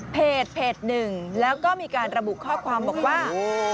เพจหนึ่งแล้วก็มีการระบุข้อความบอกว่า